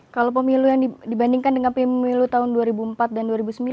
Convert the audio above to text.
kalau pemilu yang dibandingkan dengan pemilu tahun dua ribu empat dan dua ribu sembilan